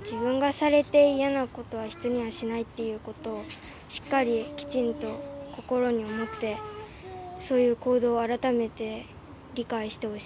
自分がされて嫌なことは人にはしないっていうことを、しっかりきちんと心に持って、そういう行動を改めて理解してほ